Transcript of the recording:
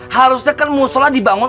harusnya kan mushollah dibangun